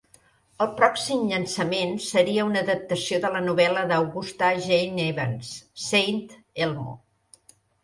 El pròxim llançament seria una adaptació de la novel·la d'Augusta Jane Evans "Saint Elmo".